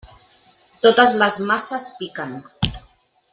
Totes les masses piquen.